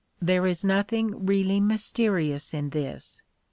There is nothing really mysterious in this.